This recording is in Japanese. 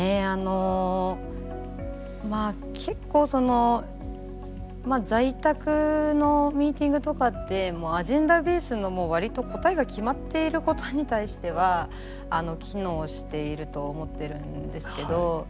あのまあ結構在宅のミーティングとかってアジェンダベースの割と答えが決まっていることに対しては機能していると思ってるんですけど